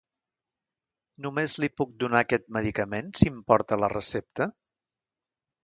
Només li puc donar aquest medicament si em porta la recepta?